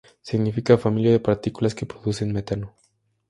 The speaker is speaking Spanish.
Significa "familia de partículas que producen metano".